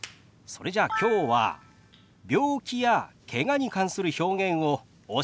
それじゃあきょうは病気やけがに関する表現をお教えしましょう。